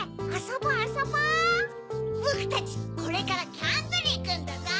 ぼくたちこれからキャンプにいくんだゾウ。